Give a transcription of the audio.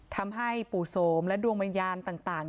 ทำให้ปู่โสมและดวงวิญญาณต่าง